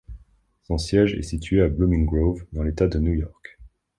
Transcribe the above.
Son siège est situé à Blooming Grove dans l'État de New York.